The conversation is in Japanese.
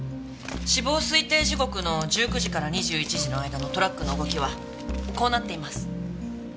死亡推定時刻の１９時から２１時の間のトラックの動きはこうなっています。